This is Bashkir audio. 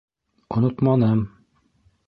- Онотманым...